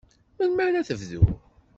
Melmi ara tebdu?